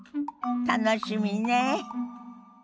楽しみねえ。